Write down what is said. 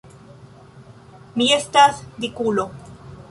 Mi estas dikulo!